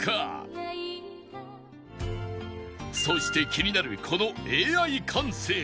そして気になるこの Ａｉ 感性